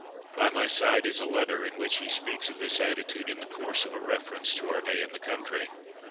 By my side is a letter in which he speaks of this attitude in the course of a reference to our day in the country.